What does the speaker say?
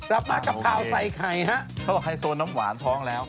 กลับมากับข่าวใส่ไข่ฮะเขาบอกไฮโซน้ำหวานท้องแล้ว